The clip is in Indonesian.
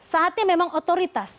saatnya memang otoritas